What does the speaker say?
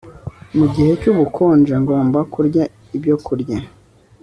mu gihe cyubukonje Ngomba kurya ibyokurya